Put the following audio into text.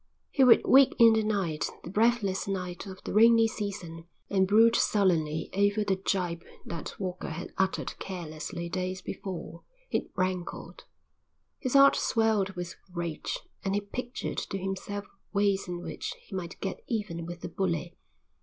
He would wake in the night, the breathless night of the rainy season, and brood sullenly over the gibe that Walker had uttered carelessly days before. It rankled. His heart swelled with rage, and he pictured to himself ways in which he might get even with the bully.